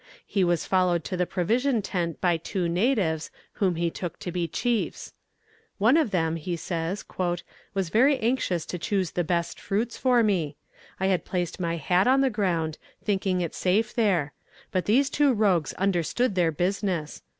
He was followed to the provision tent by two natives, whom he took to be chiefs. "One of them," he says, "was very anxious to choose the best fruits for me. I had placed my hat on the ground, thinking it safe there; but these two rogues understood their business.